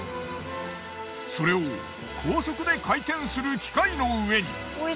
それを高速で回転する機械の上に。